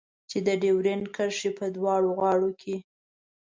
چې د ډيورنډ کرښې په دواړو غاړو کې.